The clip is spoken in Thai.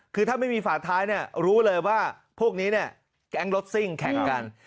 คือถ้าไม่มีฝาไทรู้เลยว่าพวกนี้แก๊งรถซิ่งแข่งกัน